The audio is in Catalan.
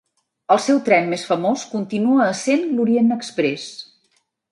El seu tren més famós continua essent l'Orient-Express.